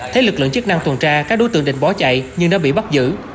thấy lực lượng chức năng tuần tra các đối tượng định bỏ chạy nhưng đã bị bắt giữ